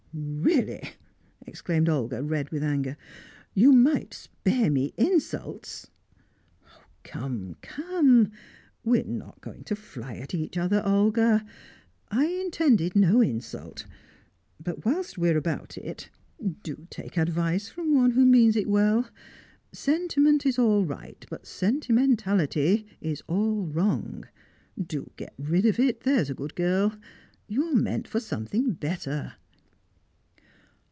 "Really!" exclaimed Olga, red with anger. "You might spare me insults!" "Come, come! We're not going to fly at each other, Olga. I intended no insult; but, whilst we're about it, do take advice from one who means it well. Sentiment is all right, but sentimentality is all wrong. Do get rid of it, there's a good girl. You're meant for something better."